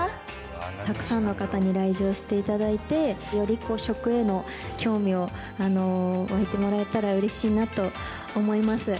たくさんの方に来場していただいて、より食への興味を湧いてもらえたらうれしいなと思います。